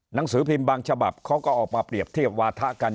หนังสือพิมพ์บางฉบับเขาก็ออกมาเปรียบเทียบวาถะกัน